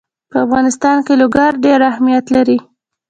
په افغانستان کې لوگر ډېر اهمیت لري.